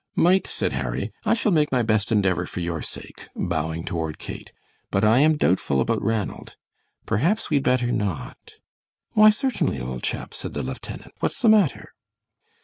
"Might," said Harry. "I shall make my best endeavor for your sake," bowing toward Kate, "but I am doubtful about Ranald. Perhaps we'd better not " "Why, certainly, old chap," said the lieutenant, "what's the matter?"